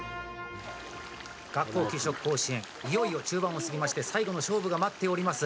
「学校給食甲子園」いよいよ中盤を過ぎまして最後の勝負が待っております。